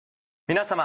皆様。